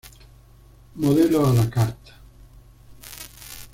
Modelo a la carta.